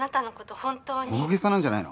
本当に大げさなんじゃないの？